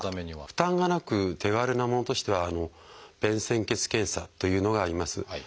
負担がなく手軽なものとしては「便潜血検査」というのがあります。